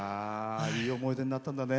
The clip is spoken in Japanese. いい思い出になったんだね。